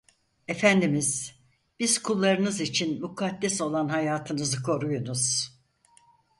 Efendimiz, biz kullarınız için mukaddes olan hayatınızı koruyunuz…